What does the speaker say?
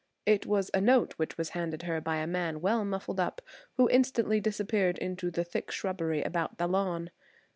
It was a note which was handed her by a man well muffled up, who instantly disappeared in the thick shrubbery about the lawn.